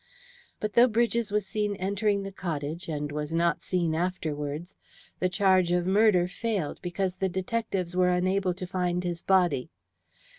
But though Bridges was seen entering the cottage and was not seen afterwards, the charge of murder failed because the detectives were unable to find his body.